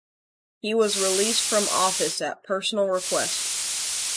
He was released from office at personal request.